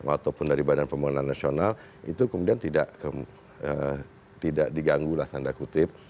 ataupun dari badan pembangunan nasional itu kemudian tidak diganggu lah tanda kutip